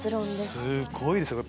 すごいですね。